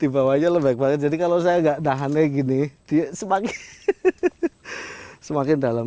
di bawahnya lebak banget jadi kalau saya enggak nahannya gini dia semakin dalam